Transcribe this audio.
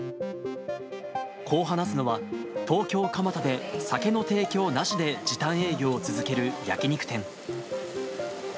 こう話すのは、東京・蒲田で酒の提供なしで時短営業を続ける焼き肉店。